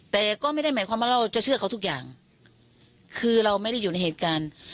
แต่ก็ไม่ได้หมายความว่าเราจะเชื่อเขาทุกอย่างคือเราไม่ได้อยู่ในเหตุการณ์